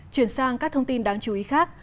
chuyển sang các thông tin đáng chú ý khác